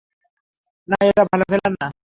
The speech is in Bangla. না, এটা ভালো প্ল্যান না!